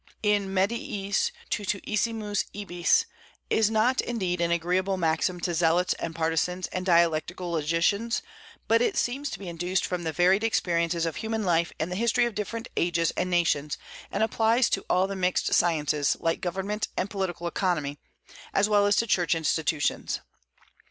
In mediis tutissimus ibis, is not indeed an agreeable maxim to zealots and partisans and dialectical logicians, but it seems to be induced from the varied experiences of human life and the history of different ages and nations, and applies to all the mixed sciences, like government and political economy, as well as to church institutions.